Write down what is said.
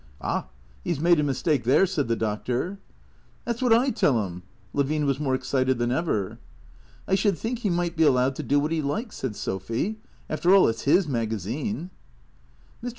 " Ah, he 's made a mistake there," said the Doctor. " That 's what I tell him." Levine was more excited than ever. " I should think he might be allowed to do what he likes," said Sophy. "After all, it's his magazine." Mr.